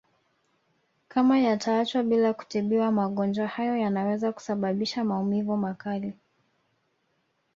Kama yataachwa bila kutibiwa magonjwa hayo yanaweza kusababisha maumivu makali